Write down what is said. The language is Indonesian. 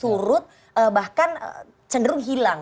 turut bahkan cenderung hilang